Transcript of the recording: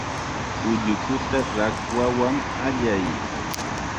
Ullukuta rakwan allay.